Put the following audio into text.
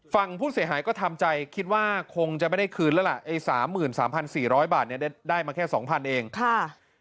ฟังผู้เสียหายก็ทำใจคิดว่าคงจะไม่ได้คืนแล้วละ